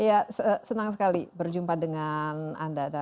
ya senang sekali berjumpa dengan anda